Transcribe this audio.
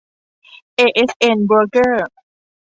เอเอสเอ็น โบรกเกอร์